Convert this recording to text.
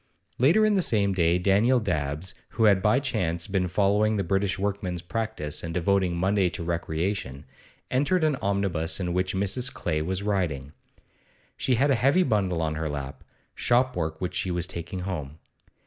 Later in the same day Daniel Dabbs, who had by chance been following the British workman's practice and devoting Monday to recreation, entered an omnibus in which Mrs. Clay was riding. She had a heavy bundle on her lap, shopwork which she was taking home.